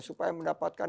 supaya mendapatkan makanan